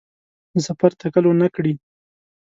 د سفر تکل ونکړي.